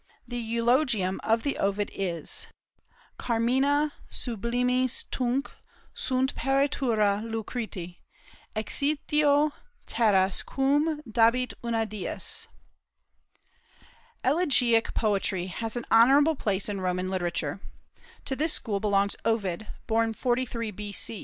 The eulogium of Ovid is "Carmina sublimis tunc sunt peritura Lucretî, Exitio terras quum dabit una dies." Elegiac poetry has an honorable place in Roman literature. To this school belongs Ovid, born 43 B.